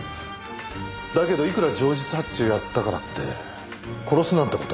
だけどいくら情実発注やったからって殺すなんて事。